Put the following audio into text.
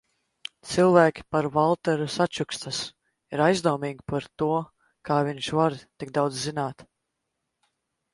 Cilvēki par Valteru sačukstas, ir aizdomīgi par to, kā viņš var tik daudz zināt.